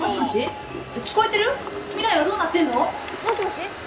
もしもし？